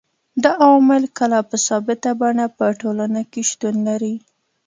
دا عوامل کله په ثابته بڼه په ټولنه کي شتون لري